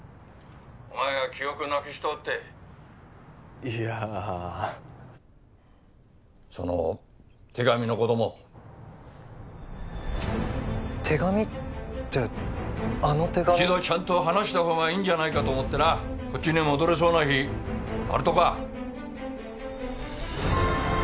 ☎お前が記憶なくしとうっていやあその手紙のことも手紙ってあの手紙一度ちゃんと話したほうがいいんじゃないかと思ってなこっちに戻れそうな日あるとか？